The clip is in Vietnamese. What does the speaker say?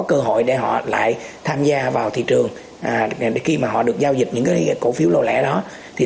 trong dài hạn và giúp thị trường phát triển bền bổn hơn